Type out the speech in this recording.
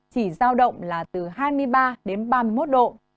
chỉ giao động là từ hai mươi ba đến ba mươi một độ